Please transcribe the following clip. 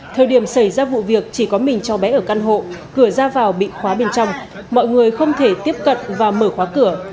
thời điểm xảy ra vụ việc chỉ có mình cháu bé ở căn hộ cửa ra vào bị khóa bên trong mọi người không thể tiếp cận và mở khóa cửa